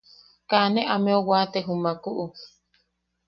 Kaa ne ameu waate jumaku.